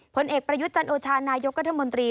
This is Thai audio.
ผลเอกประยุทธ์จันโอชานายกรัฐมนตรี